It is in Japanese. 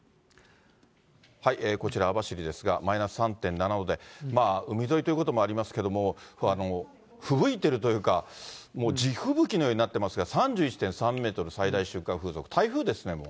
こちら、網走ですが、マイナス３．７度で、まあ、海沿いということもありますけれども、ふぶいてるというか、もう地吹雪のようになってますが、３１．３メートル、最大瞬間風速。